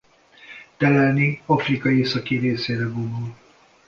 Telelni Afrika északi részére vonul.